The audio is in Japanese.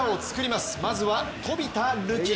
まずは飛田流輝。